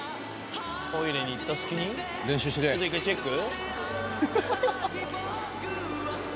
トイレに行った隙にチェック？